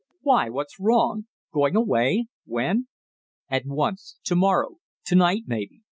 "Why, what's wrong? Going away when?" "At once, to morrow to night maybe.